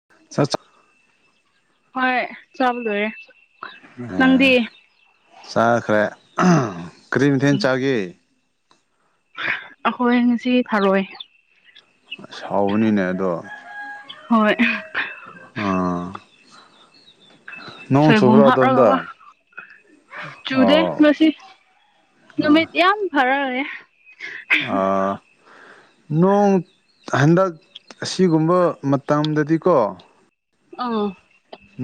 [unintelligible] ꯍꯣꯏ ꯆꯕ ꯂꯣꯏꯔꯦ ꯑꯣ ꯅꯪꯗꯤ ꯆꯥꯈ꯭ꯔꯦ ꯀꯔꯤ ꯃꯊꯦꯟ ꯆꯥꯒꯦ ꯑꯩꯈꯣꯏ ꯉꯁꯤ ꯊꯥꯔꯣꯏ ꯑꯁ ꯁꯥꯎꯕꯅꯤꯅꯦ ꯑꯗꯣ ꯍꯣꯏ ꯑꯥ ꯅꯣꯡ ꯁꯣꯏꯕꯨꯝ ꯆꯨꯕ꯭ꯔꯥ ꯍꯥꯥꯞꯔꯒꯀꯣ ꯑꯗꯣꯝꯗ ꯆꯨꯗꯦ ꯑꯣ ꯉꯁꯤ ꯅꯨꯃꯤꯠ ꯌꯥꯝ ꯐꯔ ꯂꯩꯌꯦ ꯑꯣ ꯅꯣꯡ ꯍꯟꯗꯛ ꯑꯁꯤꯒꯨꯝꯕ ꯃꯇꯝꯗꯗꯤꯀꯣ ꯑꯥ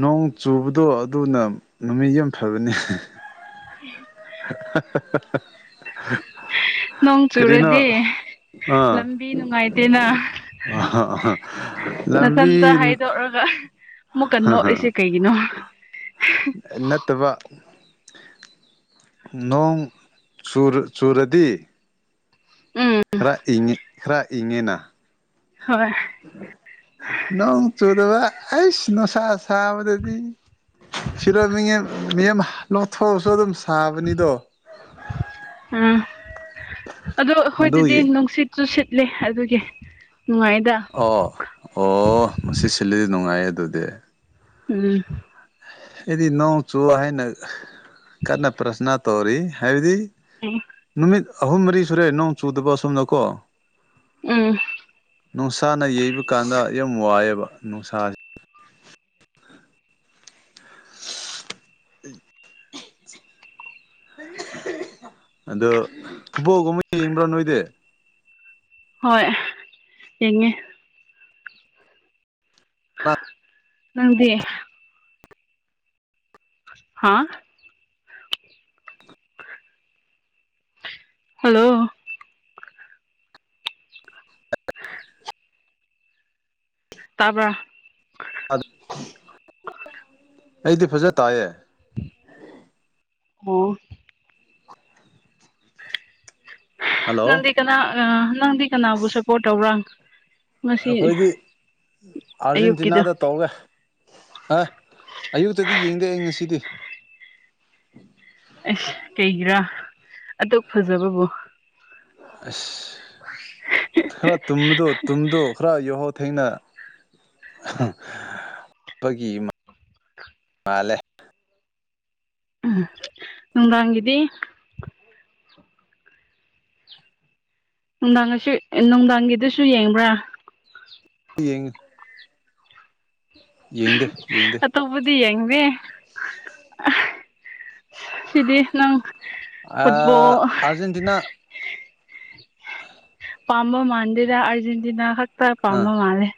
ꯅꯣꯡ ꯆꯨꯕꯗꯣ ꯑꯗꯨꯅ ꯅꯨꯃꯤꯠ ꯌꯥꯝ ꯐꯕꯅꯤ [unintelligible] [unintelligible] ꯅꯣꯡ ꯀꯔꯤꯅꯣ ꯆꯨꯔꯗꯤ ꯑꯥ ꯂꯝꯕꯤ ꯅꯨꯡꯉꯥꯏꯇꯦꯅ ꯂꯝꯕꯤ ꯅꯊꯟꯇ ꯍꯥꯏꯗꯣꯛꯔꯒ ꯑꯃꯨꯛꯀ ꯅꯣꯛꯠꯂꯤꯁꯤꯦ ꯀꯩ ꯏꯩꯅꯣ ꯅꯠꯇꯕ ꯅꯣꯡ ꯆꯨꯔꯗꯤ ꯎꯝ ꯈꯔ ꯏ ꯈꯔ ꯏꯉꯦꯅ ꯍꯣꯏ ꯅꯪ ꯆꯣꯗꯕꯥ ꯑꯩꯁ ꯅꯣꯁꯥꯁ ꯆꯥꯕꯗꯗꯤ ꯁꯤꯔ ꯃꯤꯡ ꯃꯤꯦꯝ ꯅꯣꯛꯊꯣꯛꯑꯁꯨ ꯑꯗꯨꯝ ꯍꯥꯥꯕꯅꯤꯗꯣ ꯑ ꯑꯣ ꯍꯈꯣꯏ ꯑꯗꯨꯗꯤ ꯃꯗꯨꯒꯤ ꯅꯨꯡꯁꯤꯠ ꯆꯨ ꯁꯤꯠꯂꯤ ꯑꯗꯨꯒꯤ ꯅꯨꯡꯉꯥꯏꯗ ꯑꯣ ꯑꯣ ꯃꯁꯤ ꯁꯤꯜꯂꯤꯗꯤ ꯅꯨꯡꯉꯥꯏꯌꯦ ꯑꯗꯨꯗꯤ ꯎꯝ ꯑꯩꯗꯤ ꯅꯣꯡ ꯆꯨ ꯍꯥꯏꯅ ꯀꯟꯅ ꯄ꯭ꯔꯁꯅꯥ ꯇꯧꯔꯤ ꯍꯥꯏꯕꯗꯤ ꯎꯝ ꯅꯨꯃꯤꯠ ꯑꯍꯨꯝ ꯃꯔꯤ ꯁꯨꯔꯦ ꯅꯣꯡ ꯆꯨꯗꯕ ꯑꯁꯣꯝꯅꯀꯣ ꯎꯝ ꯅꯨꯡꯁꯥꯅ ꯌꯩꯕ ꯀꯥꯟꯗ ꯌꯥꯝ ꯋꯥꯏꯑꯦꯕ ꯅꯨꯡꯁꯥꯥꯁ ꯎꯝ ꯑꯗꯣ ꯐꯨꯠꯕꯣꯜꯒꯨꯝꯕ ꯌꯦꯡꯕ꯭ꯔꯥ ꯅꯣꯏꯗꯤ ꯍꯣꯏ ꯌꯦꯡꯉꯦ ꯅꯪꯗꯤ ꯍꯥ ꯍꯜꯂꯣ ꯑ ꯇꯥꯕ꯭ꯔꯥ ꯑꯩꯗꯤ ꯐꯖ ꯇꯥꯏꯌꯦ ꯑꯣ ꯍꯜꯂꯣ ꯅꯪꯗꯤ ꯀꯅꯥ ꯅꯪꯗꯤ ꯀꯅꯥꯕꯨ ꯁꯞꯄꯣꯔꯠ ꯇꯧꯕ꯭ꯔꯥ ꯉꯁꯤ ꯑꯩꯈꯣꯏꯗꯤ ꯑꯌꯨꯛꯀꯤꯗꯣ ꯑꯥꯔꯖꯦꯟꯇꯤꯅꯥꯗ ꯇꯧꯔꯦ ꯑ ꯑꯌꯨꯛꯇꯗꯤ ꯌꯦꯡꯗꯦ ꯑꯩ ꯉꯁꯤꯗꯤ ꯑꯁ ꯀꯩꯒꯤꯔꯥ ꯑꯇꯣ ꯐꯖꯕꯕꯨ ꯑꯁ ꯈꯔ ꯇꯨꯝꯕꯗ ꯇꯨꯝꯗ ꯈꯔ ꯌꯍꯧ ꯊꯦꯡꯅ ꯄꯒꯤ ꯃꯥꯜꯂꯦ ꯎꯝ ꯅꯨꯡꯗꯥꯡꯒꯤꯗꯤ ꯅꯨꯡꯗꯥꯡ ꯑꯁ ꯅꯨꯡꯗꯥꯡꯒꯤꯗꯨꯁꯨ ꯌꯦꯡꯕ꯭ꯔꯥ ꯌꯦꯡꯉ ꯌꯦꯡꯗꯦ ꯌꯦꯡꯗꯦ ꯑꯇꯣꯞꯄꯗꯤ ꯌꯦꯡꯅꯦꯦ ꯁꯤꯗꯤ ꯅꯪ ꯐꯨꯠꯕꯣꯜ ꯑꯥ ꯑꯥꯔꯖꯦꯟꯇꯤꯅꯥ [unintelligible] ꯄꯥꯝꯕ ꯃꯥꯥꯟꯗꯦꯗ ꯑꯔꯖꯦꯟꯇꯤꯅꯥ ꯈꯛꯇ ꯑꯥ ꯄꯥꯝꯕ ꯃꯥꯥꯟꯂꯦ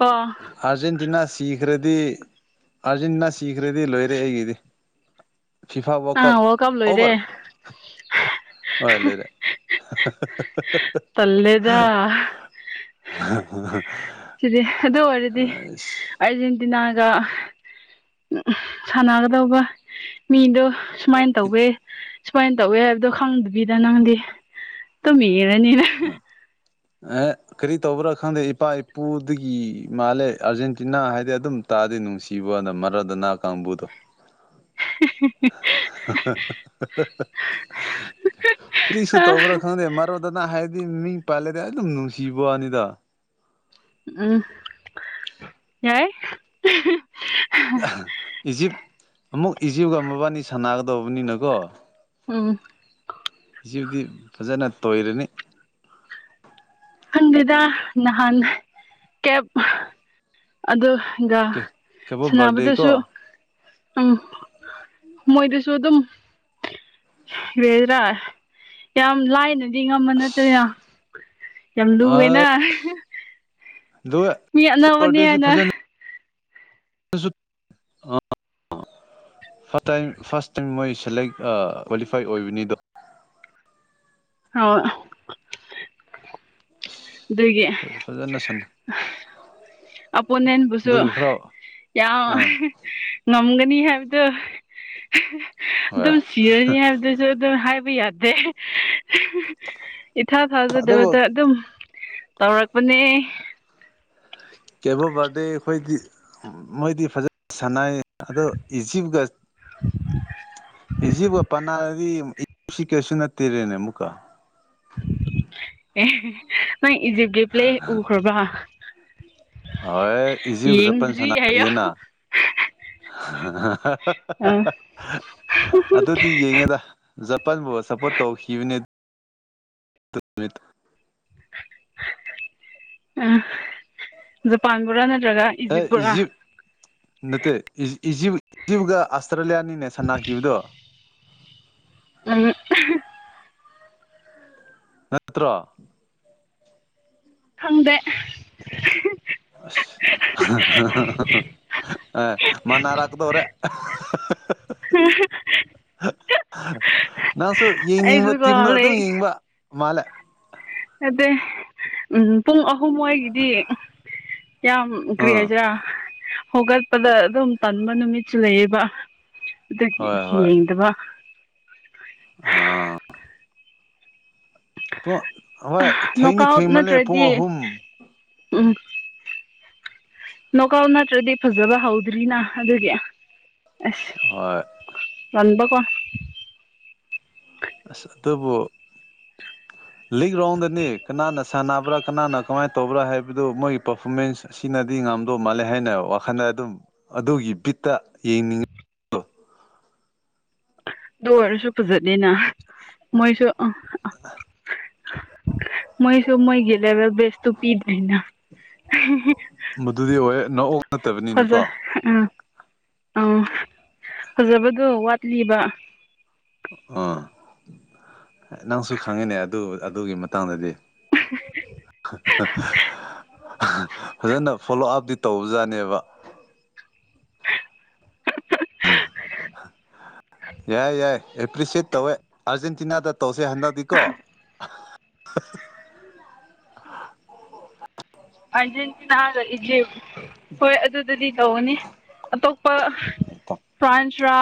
ꯑ ꯑꯥꯔꯖꯦꯟꯇꯤꯅꯥ ꯁꯤꯈ꯭ꯔꯗꯤ ꯑꯥꯔꯖꯦꯟꯇꯤꯅꯥ ꯁꯤꯈ꯭ꯔꯗꯤ ꯂꯣꯏꯔꯦ ꯑꯩꯒꯤꯗꯤ ꯐꯤꯐꯥ ꯔ ꯀꯞ ꯑꯥ ꯋꯥꯔꯜ ꯂꯣꯏꯔꯦ ꯑꯣꯕꯔ ꯑꯣꯂꯔꯦ ꯇꯜꯂꯦꯗ ꯎꯝ ꯁꯤꯗꯤ ꯑꯗꯨ ꯑꯣꯏꯔꯗꯤ ꯑꯥꯔꯖꯦꯟꯇꯤꯅꯥꯒ ꯁꯥꯟꯅꯒꯗꯧꯕ ꯃꯤꯗꯣ ꯁꯨꯃꯥꯏꯅ ꯇꯧꯋꯦ ꯁꯨꯃꯥꯏꯅ ꯇꯧꯋꯦ ꯍꯥꯏꯕꯗꯣ ꯈꯪꯗꯕꯤꯗ ꯅꯪꯗꯤ ꯇꯨꯝꯃꯤꯔꯅꯤꯅ ꯑꯦ ꯀꯔꯤ ꯇꯧꯕ꯭ꯔꯥ ꯈꯪꯗꯦ ꯏꯄꯥ ꯏꯄꯨꯗꯒꯤ ꯃꯥꯜꯂꯦ ꯑꯥꯔꯖꯦꯟꯇꯤꯅꯥ ꯍꯥꯏꯗꯤ ꯑꯗꯨꯝ ꯇꯥꯗꯤ ꯅꯨꯡꯁꯤꯕ ꯃꯔꯥꯗꯣꯅꯥ ꯀꯥꯡꯕꯨꯗꯣ ꯍꯤ ꯍꯤ ꯍꯤ [unintelligible] ꯀꯔꯤꯁꯨ ꯇꯧꯕ꯭ꯔꯥ ꯈꯪꯗꯦ ꯃꯔꯣꯗꯣꯅ ꯍꯥꯏꯔꯗꯤ ꯃꯤꯡ ꯄꯜꯂꯗꯤ ꯑꯗꯨꯝ ꯅꯨꯡꯁꯤꯕ ꯋꯥꯅꯤꯗ ꯎꯝ ꯌꯥꯏ [unintelligible] ꯏꯖꯤꯞ ꯑꯃꯨꯛ ꯏꯖꯤꯞꯒ ꯃꯕꯥꯅꯤ ꯁꯥꯟꯅꯒꯗꯧꯕꯅꯤꯅꯀꯣ ꯎꯝ [unintelligible] [inaudible] ꯏꯖꯤꯞꯗꯤ ꯐꯖꯅ ꯇꯣꯏꯔꯅꯤ ꯈꯪꯗꯦꯗ ꯅꯍꯥꯟ ꯀꯦꯞ ꯑꯗꯨꯒ ꯀꯦꯕꯣ ꯕꯥꯔꯗꯦ ꯁꯥꯟꯅꯕꯗꯨꯁꯨ ꯀꯣ ꯎꯝ ꯃꯣꯏꯗꯨꯁꯨ ꯑꯗꯨꯝ ꯌꯥꯝ ꯂꯥꯏꯅꯗꯤ ꯉꯝꯕ ꯅꯠꯇꯦꯅ ꯑꯁ ꯌꯥꯝ ꯂꯨꯑꯦꯅ ꯑꯗꯨꯒ ꯃꯤ ꯑꯅꯧꯕꯅꯦ ꯍꯥꯏꯅ first time first time select qualify ꯑꯣꯏꯕꯅꯤꯗꯣ ꯑꯧ ꯑꯗꯨꯒꯤ ꯐꯖꯅ ꯁꯥꯟꯅ ꯑꯄꯣꯅꯦꯟꯕꯨꯁꯨ ꯑꯗꯨꯒꯤ ꯈꯔ ꯌꯥꯝ ꯑꯥ ꯉꯝꯒꯅꯤ ꯍꯥꯏꯕꯗꯣ ꯍꯣꯏ ꯑꯗꯨꯝ ꯁꯤꯔꯅꯤ ꯍꯥꯏꯕꯗꯣ ꯁꯨ ꯑꯗꯨꯝ ꯍꯥꯏꯕ ꯌꯥꯗꯦ ꯏꯊꯥ ꯑꯗꯨꯕꯨ ꯊꯥꯖꯗꯕꯗ ꯑꯗꯨꯝ ꯇꯧꯔꯛꯄꯅꯦ ꯀꯦꯄꯣ ꯕꯔꯗꯦ ꯈꯣꯏꯗꯤ ꯃꯣꯏꯗꯤ ꯐꯖꯅ ꯁꯥꯟꯅꯩ ꯑꯗꯣ ꯏꯖꯤꯞ ꯏꯖꯤꯞꯒ ꯄꯅꯥꯗꯤ ꯏꯖꯤꯞꯁꯨ ꯀꯩꯁꯨ ꯅꯠꯇꯦꯅꯦ ꯑꯃꯨꯛꯀ ꯑꯦ ꯅꯪ ꯏꯖꯤꯞꯀꯤ ꯄ꯭ꯂꯦ ꯎꯈ꯭ꯔꯕ꯭ꯔ ꯍꯣꯏ ꯏꯖꯤꯞꯒ ꯐꯖꯅ ꯌꯦꯡꯗ꯭ꯔꯤ ꯍꯥꯏꯌꯣ ꯁꯅꯥꯈꯤꯌꯦꯅ ꯑ ꯑꯗꯨꯗꯤ ꯌꯦꯡꯉꯦꯗ ꯖꯄꯥꯟꯕꯨ ꯁꯞꯄꯣꯔꯠ ꯇꯧꯈꯤꯕꯅꯤ ꯅꯨꯃꯤꯠꯇꯨ ꯑ ꯖꯄꯥꯟꯕꯨꯔꯥ ꯅꯠꯇ꯭ꯔꯒ ꯍꯩ ꯏꯖꯤꯞꯄꯨꯔꯥ ꯏꯖꯤꯞ ꯅꯠꯇꯦ꯫ ꯏꯖꯤꯞꯒ ꯑꯁꯇ꯭ꯔꯦꯂꯤꯌꯥꯅꯤꯅꯦ ꯁꯥꯟꯅꯈꯤꯕꯗꯣ ꯎꯝ [unintelligible] [inaudible] ꯅꯠꯇ꯭ꯔꯣ ꯈꯪꯗꯦ ꯑꯁ [inaudible] ꯑꯦ ꯃꯅꯔꯛꯀꯗꯣꯔꯦ ꯎꯝ ꯅꯪꯁꯨ ꯌꯦꯡꯅꯤꯡꯕ ꯑꯩꯁꯨꯀꯣ ꯇꯤꯝꯗꯣ ꯑꯗꯨꯝ ꯂꯥꯏꯔꯤꯛ ꯌꯦꯡꯕ ꯃꯥꯜꯂꯦ ꯅꯠꯇꯦ ꯎꯝ ꯄꯨꯡ ꯑꯍꯨꯝꯋꯥꯏꯒꯤꯗꯤ ꯌꯥꯝ ꯀꯔꯤ ꯑꯥ ꯍꯥꯏꯁꯤꯔꯥ ꯍꯧꯒꯠꯄꯗ ꯑꯗꯨꯝ ꯇꯟꯕ ꯅꯨꯃꯤꯠꯁꯨ ꯂꯩꯌꯦꯕ ꯑꯗꯨꯒꯤ ꯍꯣꯏ ꯌꯦꯡꯗꯕ ꯑ ꯄꯨꯡ ꯍꯣꯏ ꯅꯣꯛ ꯊꯦꯡꯁꯨ ꯑꯥꯎꯠ ꯊꯦꯡꯃꯜꯂꯦ ꯄꯨꯡ ꯅꯠꯇ꯭ꯔꯗꯤ ꯑꯍꯨꯝ ꯎꯝ ꯅꯣꯛꯑꯥꯎꯠ ꯅꯠꯇ꯭ꯔꯗꯤ ꯐꯖꯕ ꯍꯧꯗ꯭ꯔꯤꯅ ꯑꯗꯨꯒꯤ ꯍꯣꯏ ꯅꯝꯕ ꯀ ꯑꯁ ꯑꯗꯨꯕꯨ [unintelligible] ꯂꯤꯛ ꯔꯥꯎꯟꯗꯅꯤ ꯀꯅꯥꯅ ꯁꯥꯟꯅꯕ꯭ꯔꯥ ꯀꯅꯥꯅ ꯀꯃꯥꯏꯅ ꯇꯧꯕ꯭ꯔꯥ ꯍꯥꯏꯕꯗꯨ ꯃꯣꯏꯒꯤ ꯄꯔꯐꯣꯔꯃꯦꯟꯁ ꯑꯁꯤꯅꯗꯤ ꯉꯝꯗꯧ ꯃꯥꯜꯂꯦ ꯍꯥꯏꯅ ꯋꯥꯈꯟꯗ ꯑꯗꯨꯝ ꯑꯗꯨꯒꯤ ꯕꯤꯠꯇ ꯌꯦꯡꯅꯤꯡꯉꯤ ꯑꯗꯨ ꯑꯣꯏꯔꯁꯨ ꯐꯖꯅꯤꯅ ꯃꯣꯏꯁꯨ ꯑ ꯃꯣꯏ ꯁꯨꯝꯃꯣꯏ ꯦꯂꯕ ꯁꯇꯨ ꯄꯤꯅ ꯃꯗꯨꯗꯤ ꯑꯣꯏ ꯅꯑꯣ ꯅꯠꯇꯕꯅꯤꯅ ꯐꯖ ꯀꯣ ꯑꯥ ꯑꯥ ꯐꯖꯕꯗꯣ ꯋꯥꯠꯂꯤꯕ ꯑꯥ ꯅꯪꯁꯨ ꯈꯪꯉꯤꯅꯦ ꯑꯗꯨ ꯑꯗꯨꯒꯤ ꯃꯇꯥꯡꯗꯗꯤ ꯐꯖ ꯐꯣꯂꯣ ꯑ ꯇꯧꯕꯖꯥꯠꯅꯦꯕ ꯌꯥꯏ ꯌꯥꯏ ꯑꯦꯄ꯭ꯔꯤꯁꯦꯠ ꯇꯧꯋꯦ ꯑꯥꯔꯖꯦꯟꯇꯤꯅꯥꯗ ꯇꯧꯁꯦ ꯍꯟꯗꯛ ꯀꯣ ꯑ ꯑ ꯅ ꯏ ꯍꯣꯏ ꯑꯗꯨꯗꯗꯤ ꯇꯧꯅꯤ ꯑꯇꯣꯞꯄ ꯐ꯭ꯔꯥꯟꯁ ꯭ꯔꯥ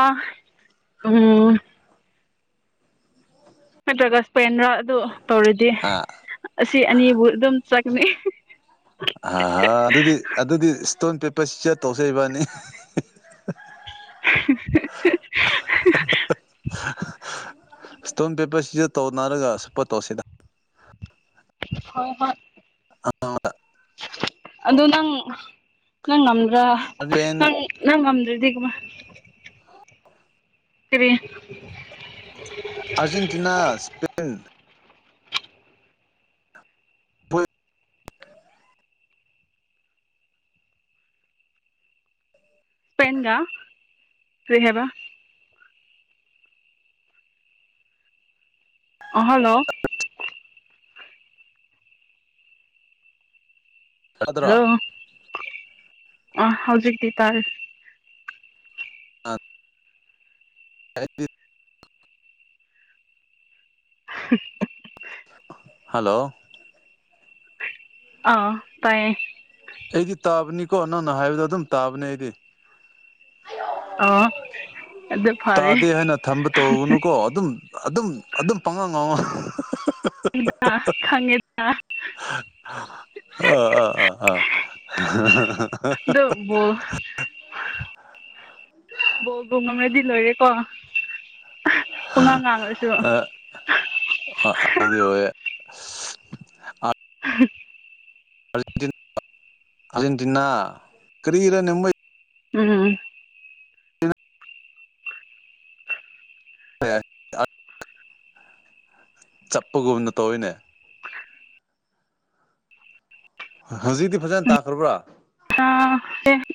ꯎꯝ ꯅꯠꯇ꯭ꯔꯒ ꯏꯁꯄꯦꯟꯗ꯭ꯔꯥ ꯑꯗꯨ ꯇꯧꯔꯗꯤ ꯑꯥ ꯑꯁꯤ ꯑꯅꯤꯕꯨ ꯑꯗꯨꯝ ꯆꯪꯅꯤ ꯑ ꯍ ꯑꯗꯨꯗꯤ ꯑꯗꯨꯗꯤ ꯏꯁꯇꯣꯟ ꯄꯦꯄꯔꯁꯤ ꯆꯠ ꯇꯧꯁꯩꯕꯅꯤ [inaudible] [unintelligible] ꯏꯁꯇꯣꯟ ꯄꯦꯄꯔꯁꯤꯁꯨ ꯇꯧ ꯅꯥꯔꯒ ꯁꯁꯨꯞꯄꯣꯠ ꯇꯧꯁꯤꯗ ꯍ ꯍꯣꯏ ꯑ [inaudible] ꯑꯣ ꯅꯪ ꯅꯪ ꯉꯝꯗ꯭ꯔꯥ ꯁ꯭ꯄꯦꯟ ꯅꯪ ꯅꯪ ꯉꯝꯗ꯭ꯔꯗꯤ ꯀꯃ ꯀ꯭ꯔꯤ [unintelligible] [inaudible] ꯑꯔꯖꯦꯟꯇꯤꯅꯥ ꯁ꯭ꯄꯦꯟ ꯄꯦꯟꯒꯥ ꯀꯔꯤꯍꯕ [inaudible] ꯑ ꯍꯜꯂꯣ ꯍꯜꯂꯣ ꯑ ꯍꯧꯖꯤꯛꯇꯤ ꯇꯥ ꯑꯛꯇ ꯍ ꯍꯜꯂꯣ ꯑꯥ ꯇꯥꯏꯌꯦ ꯑꯩꯗꯤ ꯇꯥꯕꯅꯤꯀꯣ ꯅꯪꯅ ꯍꯥꯏꯕꯗꯣ ꯑꯗꯨꯝ ꯇꯥꯕꯅꯦ ꯑꯩꯗꯤ ꯑꯥ ꯇꯥꯗꯦ ꯍꯥꯏꯅ ꯊꯝꯕ ꯇꯧꯕꯅꯨꯀꯣ ꯑꯗꯨꯝ ꯑꯗꯨꯝ ꯑꯗꯨꯝ ꯄꯥꯡꯉꯥꯡ ꯉꯥꯉ ꯈꯪꯉꯦꯗ ꯑ ꯑꯥ ꯑꯥ ꯑꯥ ꯑꯥ ꯑꯗꯨꯕꯨ ꯕꯣꯕꯣ ꯉꯝ ꯔꯗꯤ ꯂꯣꯏꯔꯦꯀꯣ ꯄꯨꯡꯉꯥꯡ ꯉꯥꯡꯔꯁꯨ ꯑ ꯑꯗ ꯍꯋꯦ [unintelligible] ꯑꯖꯦꯟꯇꯤ ꯑꯔꯖꯦꯟꯇꯤꯅꯥ ꯀꯔꯤꯔ ꯅꯩ ꯎꯝ ꯆꯠꯄꯒꯨꯝꯅ ꯇꯧꯔꯤꯅꯦ ꯍꯧꯖꯤꯛꯇꯤ ꯐꯖꯅ ꯇꯥꯛꯈ꯭ꯔꯕ꯭ꯔꯥ ꯍ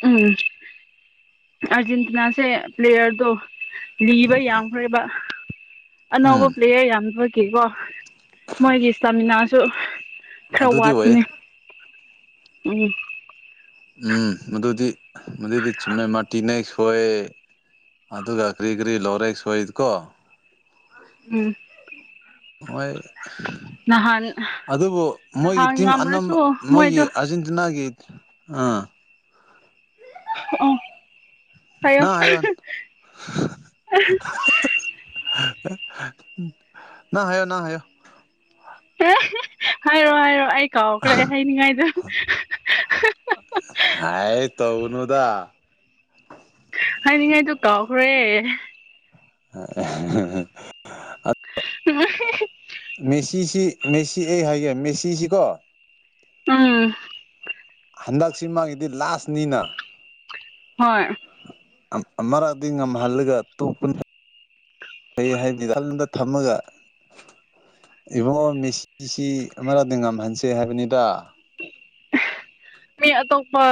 ꯎꯝ ꯑꯔꯖꯦꯟꯇꯤꯅꯥꯁꯦ ꯄ꯭ꯂꯦꯌꯔꯗꯣ ꯂꯤꯕ ꯌꯥꯝꯈ꯭ꯔꯦꯕ ꯑꯅꯧꯕ ꯎꯝ ꯄ꯭ꯂꯦꯌꯔ ꯌꯥꯝ ꯊꯣꯛꯈꯤꯀꯣ ꯃꯣꯏꯒꯤ ꯏꯁꯇꯥꯃꯤꯅꯥꯁꯨ ꯈꯔ ꯑꯗꯨꯗꯤ ꯑꯣꯏꯌꯦ ꯋꯥꯠꯄꯅꯤ ꯎꯝ ꯎꯝ ꯃꯗꯨꯗꯤ ꯃꯗꯨꯏꯗꯤ ꯆꯨꯝꯃꯦ ꯃꯥꯇꯤꯅꯦꯦꯛ ꯁꯣꯏ ꯑꯗꯨꯒ ꯀꯔꯤ ꯀꯔꯤ ꯂꯧꯔꯦꯛ ꯁꯣꯏꯗꯤꯀꯣ ꯎꯝ ꯍꯣꯏ ꯅꯍꯥꯟ ꯑꯗꯨꯕꯨ ꯃꯣꯏꯒꯤ ꯅꯍꯥꯟ ꯇꯤꯝ ꯉꯝꯔꯁꯨ ꯑꯅꯝꯕ ꯃꯣꯏꯒꯤ ꯃꯣꯏꯗꯣ ꯑꯥꯔꯖꯦꯟꯇꯤꯅꯥꯒꯤ ꯑꯥ ꯑꯣ ꯍꯥꯏꯌꯣ ꯍꯥꯏꯌꯣ ꯍꯥꯏꯌꯣ ꯍꯥꯏꯔꯣ ꯍꯥꯏꯔꯣ ꯑꯩ ꯀꯥꯎꯈ꯭ꯔꯦ ꯍꯥꯏꯅꯤꯡꯉꯥꯏꯗ ꯍꯥꯏ ꯇꯧꯅꯨꯗ ꯍꯥꯏꯅꯤꯡꯉꯥꯏꯗꯨ ꯀꯥꯎꯈ꯭ꯔꯦ ꯑꯗꯨ [unintelligible] [inaudible] ꯑ [unintelligible] [inaudible] ꯃꯦꯁꯤꯁꯤ ꯃꯦꯁꯤ ꯑꯩ ꯍꯥꯏꯒꯦ ꯃꯦꯁꯤꯁꯤ ꯀꯣ ꯑꯥ ꯍꯟꯗꯛꯁꯤ ꯃꯥꯒꯤꯗꯤ ꯂꯥꯁꯅꯤꯅ ꯍꯣꯏ ꯑꯃꯛꯗꯤ ꯉꯝꯍꯜꯂꯒꯇꯣꯞꯄꯅ ꯐꯩ ꯍꯥꯏꯕꯅꯤꯜꯗ ꯊꯝꯃꯒ ꯏꯕꯨꯡꯉꯣ ꯃꯦꯁꯤꯁꯤ ꯑꯃꯔꯗ ꯉꯝꯍꯟꯁꯦ ꯍꯥꯏꯕꯅꯤꯗ ꯃꯤ ꯑꯇꯣꯞꯄ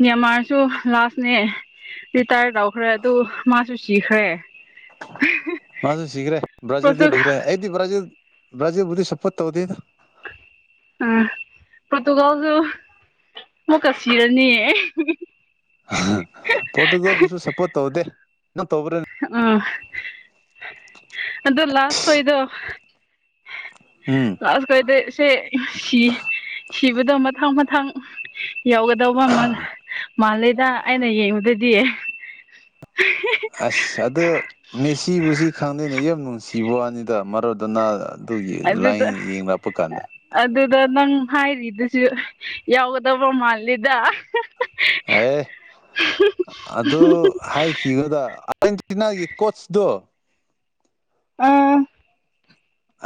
ꯃ꯭ꯌꯥꯟꯃꯥꯔꯁꯨ ꯂꯥꯁꯅꯦ ꯔꯤꯇꯥꯌꯔ ꯂꯥꯎꯈ꯭ꯔꯦ ꯑꯗꯨ ꯃꯥꯁꯨ ꯁꯤꯈ꯭ꯔꯦ ꯃꯥꯁ ꯁꯤꯒ꯭ꯔꯦ ꯄꯣꯔꯇꯨ ꯭ꯔꯥꯖꯤꯜꯗ ꯏꯈ꯭ꯔꯦ ꯑꯩꯗꯤꯕ꯭ꯔꯖꯥ ꯭ꯔꯖꯥꯕꯨꯗꯤ ꯁꯄꯠ ꯇꯧꯗ ꯑꯝ ꯄꯣꯇꯨꯒꯜꯁꯨ ꯃ ꯀꯁꯤꯔꯅꯤ ꯐꯣꯇꯨꯒꯣꯁꯨ ꯁꯄꯣꯠ ꯇꯧꯗꯦ ꯅ ꯇꯧꯕ꯭ꯔꯦ ꯑ ꯑꯗꯣ ꯂꯥꯁ ꯈꯗ ꯎꯝ ꯑꯁ ꯀꯗ ꯁꯤ ꯁꯤ [inaudible] ꯁꯤꯕꯗꯣ ꯃꯊꯪ ꯃꯊꯪ ꯌꯧꯒꯗꯧꯕ ꯃꯥꯂꯦꯗ ꯑꯩꯅ ꯌꯦꯡꯕꯗꯗꯤ ꯑꯁ ꯑꯗꯨ ꯃꯦꯁꯤꯕꯨꯁꯤ ꯈꯪꯗꯦꯅꯦ ꯌꯥꯝ ꯅꯨꯡꯁꯤꯕ ꯋꯥꯅꯤꯗ ꯃꯔꯣꯗꯅ ꯑꯗꯨꯒꯤ ꯂꯥꯏꯡ ꯑꯗꯨꯗ ꯌꯦꯡꯂꯡ ꯂꯛꯄ ꯀꯥꯟꯗ ꯑꯗꯨꯗ ꯅꯪ ꯍꯥꯏꯔꯤꯗꯨꯁꯨ ꯌꯥꯎꯒꯗꯕ ꯃꯥꯜꯂꯤꯗ ꯍ [unintelligible] [inaudible] ꯑꯗꯨ ꯍꯥꯏꯈꯤꯒꯗ ꯑꯥꯔꯖꯦꯟꯇꯤꯅꯥꯒꯤ ꯀꯣꯆꯇꯣ ꯑꯥ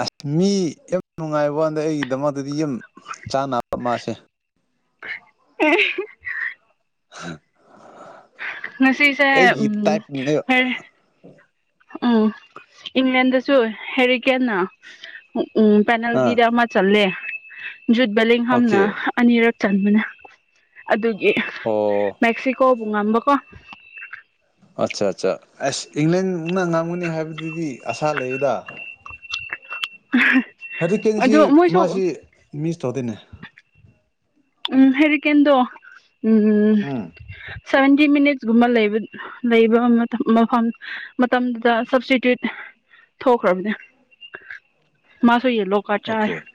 ꯑꯁ ꯃꯤ ꯌꯥꯝ ꯅꯨꯡꯉꯥꯏꯕ ꯋꯥꯗꯩ ꯑꯩꯒꯤꯗꯃꯛꯇꯗꯤ ꯌꯥꯝ ꯆꯥꯅꯕ ꯃꯥꯁꯦ ꯎ [inaudible] ꯉꯁꯤꯁꯦ ꯎꯝ ꯑꯩꯒꯤ ꯇꯥꯏꯞꯅꯦꯕ ꯐꯔ ꯎꯝ ꯏꯪꯂꯦꯟꯗꯁꯨ ꯍꯦꯔꯤ ꯀꯦꯟꯅ ꯎꯝ ꯑꯥ ꯄꯦꯅꯥꯜꯇꯗ ꯑꯃ ꯆꯜꯂꯦ ꯖꯨꯠꯕ ꯂꯦꯡꯍꯝꯅ ꯑꯣꯀꯦ ꯑꯅꯤꯔꯛ ꯆꯟꯕꯅꯦ ꯑꯗꯨ ꯑꯣ ꯃꯦꯛꯁꯤꯀꯣꯕꯨ ꯉꯝꯕꯀꯣ ꯑꯠꯆꯥ ꯑꯠꯆꯥ ꯑꯁ ꯏꯪꯂꯦꯟꯅ ꯉꯥꯡꯒꯅꯤ ꯍꯥꯏꯕꯗꯨꯗꯤ ꯑꯁꯥ ꯂꯩꯌꯦꯗ ꯑ ꯍꯧꯖꯤꯛꯀꯦꯟꯁꯤ ꯃꯥꯁꯤ ꯃꯤꯁ ꯇꯧꯗꯣꯏꯅꯦ ꯎꯝ ꯍꯦꯔꯤꯀꯦꯟꯗꯣ ꯎꯝ ꯁꯚꯦꯟꯇꯤ ꯃꯤꯅꯤꯠꯁꯒꯨꯝꯕ ꯂꯩꯕ ꯂꯩꯕ ꯃꯐꯝ ꯃꯇꯝꯗꯨꯗ ꯁꯕꯁꯇꯤꯇ꯭ꯌꯨꯠ ꯊꯣꯛꯈ꯭ꯔꯕꯅꯦ ꯃꯥꯁꯨ ꯌꯦꯜꯂꯣ ꯀꯥꯔꯗ ꯆꯥꯔꯦ ꯑꯣꯀꯦ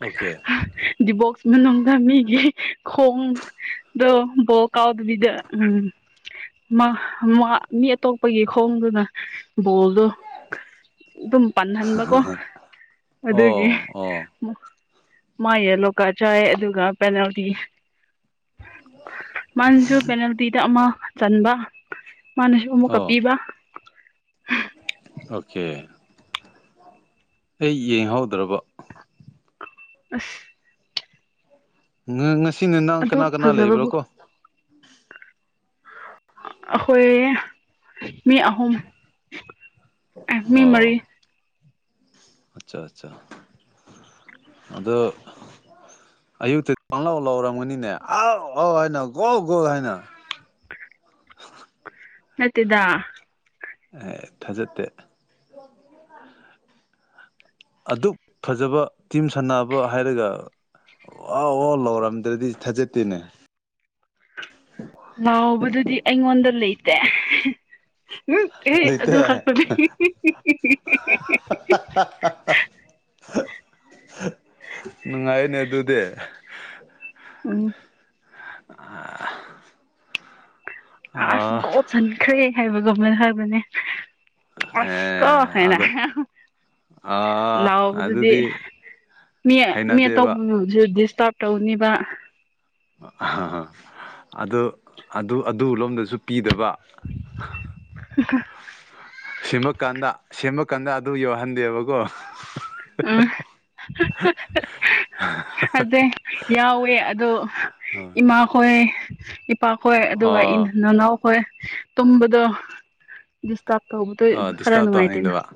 ꯑꯣꯀꯦ ꯗꯤꯕꯣꯛꯁ ꯃꯅꯨꯡꯗ ꯃꯤꯒꯤ ꯈꯣꯡ ꯗꯣ ꯕꯣꯜ ꯀꯥꯎꯗꯕꯤꯗ ꯎꯝ ꯃꯥ ꯃꯥ ꯃꯤ ꯑꯇꯣꯞꯄꯒꯤ ꯈꯣꯡꯗꯨꯅ ꯕꯣꯜꯗꯣ ꯑꯗꯨꯝ ꯄꯟꯍꯟꯕꯀꯣ ꯑꯗꯨꯒꯤ ꯑꯣ ꯑꯣ ꯃꯥ ꯌꯦꯂꯣ ꯀꯥꯔꯗ ꯆꯥꯏ ꯑꯗꯨꯒ ꯄꯦꯅꯥꯜꯇꯤ ꯃꯥꯅꯁꯨ ꯄꯦꯅꯥꯜꯇꯤꯗ ꯑꯃ ꯆꯟꯕ ꯃꯥꯅꯁꯨ ꯑꯃꯨꯛꯀ ꯑꯣ ꯄꯤꯕ ꯑꯣꯀꯦ ꯑꯩ ꯌꯦꯡꯍꯧꯗ꯭ꯔꯕ ꯑꯁ ꯉꯁꯤ ꯅꯪ ꯑꯗꯨꯛ ꯀꯅꯥ ꯀꯅꯥ ꯂꯩꯕ꯭ꯔꯣ ꯐꯖꯕꯕꯨ ꯀꯣ ꯑꯈꯣꯏ ꯃꯤ ꯑꯍꯨꯝ ꯃꯤ ꯃꯔꯤ ꯑꯆꯥ ꯑꯆꯥ ꯑꯗꯣ ꯑꯌꯨꯛꯇ ꯄꯥꯡꯂꯥꯎ ꯂꯥꯎꯔꯝꯒꯅꯤꯅꯦ ꯑꯥꯎ ꯑꯥꯎ ꯍꯥꯏꯅ ꯒꯣ ꯒꯣ ꯍꯥꯏꯅ ꯅꯠꯇꯦꯗ ꯊꯥꯖꯗꯦ ꯑꯗꯨꯛ ꯐꯖꯕ ꯇꯤꯝ ꯁꯥꯟꯅꯕ ꯍꯥꯏꯔꯒ ꯋꯥꯎ ꯋꯤꯎ ꯂꯥꯎꯔꯝꯗ꯭ꯔꯗꯤ ꯊꯥꯖꯗꯦꯅꯦ [inaudible] ꯂꯥꯎꯕꯗꯨꯗꯤ ꯑꯩꯉꯣꯟꯗ ꯂꯩꯇꯦ ꯎꯝ ꯑꯦ ꯑꯗꯨ ꯂꯩꯇꯦ ꯈꯛꯇꯅꯤ [unintelligible] ꯅꯨꯡꯉꯥꯏꯌꯦꯅꯦ ꯑꯗꯨꯗꯤ ꯎꯝ ꯑꯥꯁ ꯑꯥ ꯒꯣꯜ ꯆꯟꯈ꯭ꯔꯦ ꯍꯥꯏꯕꯒꯃꯅ ꯍꯥꯏꯕꯅꯦ ꯑꯁ ꯀꯣ ꯑꯦ ꯍꯥꯢꯅ ꯑꯗꯣ ꯑꯥ ꯂꯥꯎꯕꯗꯨꯗꯤ ꯑꯗꯨꯗꯤ ꯃꯤ ꯃꯤ ꯍꯩꯅꯗꯦꯕ ꯑꯇꯣꯞꯄꯕꯨ ꯗꯤꯁꯇꯔꯕ ꯇꯧꯅꯤꯕ ꯑꯗꯨ ꯑꯗꯨ ꯑꯗꯨ ꯂꯣꯝꯗꯁꯨ ꯄꯤꯗꯕ [unintelligible] ꯁꯤꯃ ꯀꯥꯟꯗ ꯁꯦꯝꯃ ꯀꯥꯟꯗ ꯑꯗꯨꯒꯤ ꯋꯥꯍꯟꯗꯦꯕꯀꯣ ꯎꯝ ꯑꯗꯦ ꯌꯥꯎꯋꯦ ꯑꯗꯣ ꯏꯃꯥꯈꯣꯏ ꯢꯄꯥꯈꯣꯏ ꯑꯗꯨꯒ ꯏ ꯑꯣ ꯅꯅꯥꯎꯈꯣꯏ ꯇꯨꯝꯕꯗꯣ ꯗꯤꯁꯇꯥꯞ ꯇꯧꯕꯗꯣ ꯑꯣ ꯈꯔ ꯗꯤꯁꯇꯔꯕ ꯅꯨꯡꯉꯥꯏꯇꯦꯅ ꯇꯧꯍꯟꯅꯤꯡꯗꯕ